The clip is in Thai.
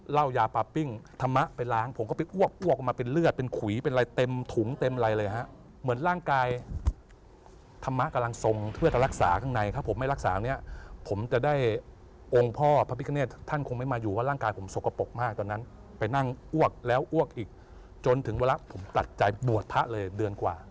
เหล้ายาปลาปิ้งธรรมะไปล้างผมก็ไปอ้วกอ้วกออกมาเป็นเลือดเป็นขุยเป็นอะไรเต็มถุงเต็มอะไรเลยฮะเหมือนร่างกายธรรมะกำลังทรงเพื่อจะรักษาข้างในถ้าผมไม่รักษาเนี่ยผมจะได้องค์พ่อพระพิคเนธท่านคงไม่มาอยู่ว่าร่างกายผมสกปรกมากตอนนั้นไปนั่งอ้วกแล้วอ้วกอีกจนถึงเวลาผมตัดใจบวชพระเลยเดือนกว่า